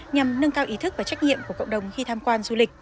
nhằm nâng cao ý thức và trách nhiệm của cộng đồng khi tham quan du lịch